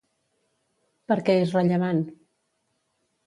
Per què és rellevant?